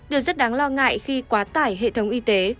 điều rất đáng lo ngại khi quá tải hệ thống y tế